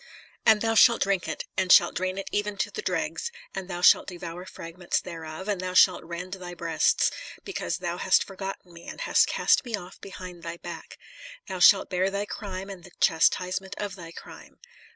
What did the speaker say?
"And thou shalt drink it, and shalt drain it even to the dregs; and thou shalt devour the fragments thereof, and thou shalt rend thy In the Nineteenth Century. 277 breasts. ... Because thou hast forgotten me, and hast cast me off behind thy back; thou shalt bear thy crime and the chastise ment of thy crime."